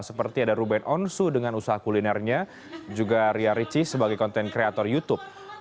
seperti ada ruben onsu dengan usaha kulinernya juga ria ricis sebagai konten kreator youtube